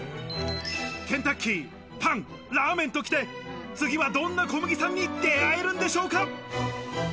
ケンタッキー、パン、ラーメンときて、次はどんな小麦さんに出会えるんでしょうか？